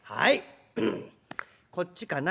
こっちかな」。